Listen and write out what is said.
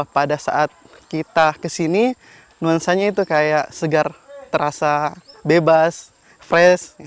pada saat kita kesini nuansanya itu kayak segar terasa bebas fresh